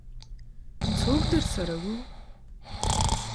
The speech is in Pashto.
څوک درسره وو؟